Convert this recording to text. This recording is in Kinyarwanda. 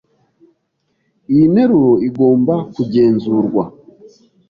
Iyi nteruro igomba kugenzurwa.